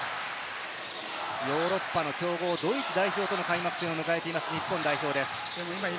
ヨーロッパの強豪、ドイツ代表との対戦を迎えています、日本代表です。